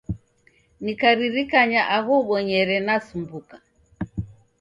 Nikaririkanya agho ubonyere nasumbuka.